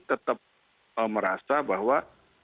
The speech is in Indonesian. tetap merasa bahwa